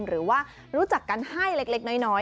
หรือว่ารู้จักกันให้เล็กน้อย